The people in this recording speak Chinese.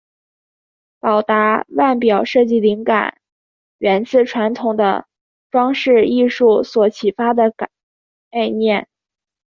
宝达腕表设计灵感源自传统的装饰艺术所启发的概念。